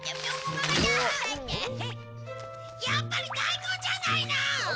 やっぱり大根じゃないの。